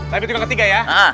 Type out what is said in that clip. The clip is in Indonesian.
tapi tinggal ketiga ya